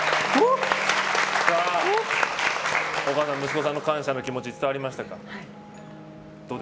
お母さん、息子さんの感謝の気持ち伝わりましたか。